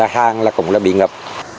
hàng cũng bị ngập